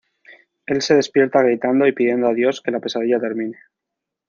Él se despierta gritando y pidiendo a Dios que la pesadilla termine.